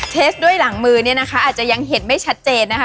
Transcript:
เทสด้วยหลังมือเนี่ยนะคะอาจจะยังเห็นไม่ชัดเจนนะคะ